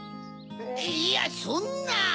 いやそんな。